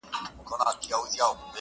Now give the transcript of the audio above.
کښتۍ هم ورڅخه ولاړه پر خپل لوري؛